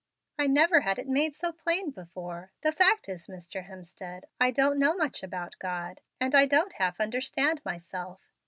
"I never had it made so plain before. The fact is, Mr. Hemstead, I don't know much about God, and I don't half understand myself.